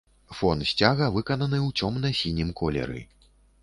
Фон сцяга выкананы ў цёмна-сінім колеры.